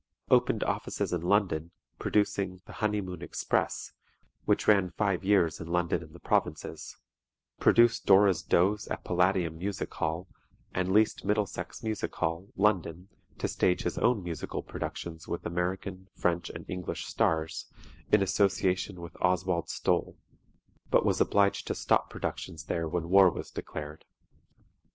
Opened offices in London, producing "The Honeymoon Express," which ran five years in London and the provinces; produced "Dora's Doze," at Palladium Music Hall, and leased Middlesex Music Hall, London, to stage his own musical productions with American, French and English stars, in association with Oswald Stoll, but was obliged to stop productions there when war was declared.